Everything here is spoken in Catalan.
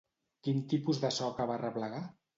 Quin tipus de soca va arreplegar?